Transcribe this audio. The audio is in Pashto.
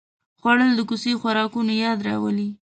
خوړل د کوڅې خوراکونو یاد راولي